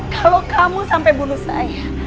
kalau kamu sampai bunuh saya